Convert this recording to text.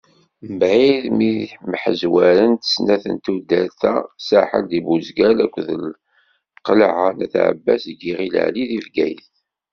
Mbeɛd mi mḥezwarent snat n tuddar-a Saḥel di Buzgan akked Lqelɛa n At Ɛebbas deg Yiɣil Ɛli di Bgayet.